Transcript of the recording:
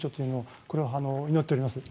これを祈っております。